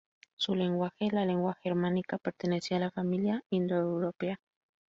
Su lenguaje, la lengua germánica, pertenecía a la familia indoeuropea.